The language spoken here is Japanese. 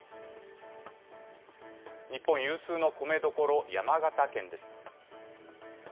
日本有数の米どころ、山形県です。